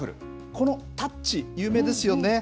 このタッチ、有名ですよね。